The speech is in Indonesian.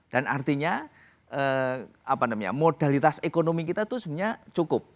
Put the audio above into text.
dan artinya apa namanya modalitas ekonomi kita itu sebenarnya cukup